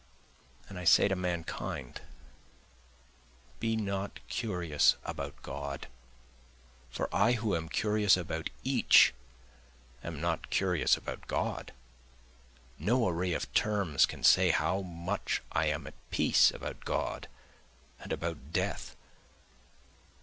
And I say to mankind, Be not curious about God, For I who am curious about each am not curious about God, (No array of terms can say how much I am at peace about God and about death.)